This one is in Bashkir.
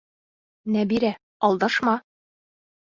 Нәбирә, алдашма!